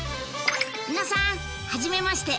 皆さんはじめまして！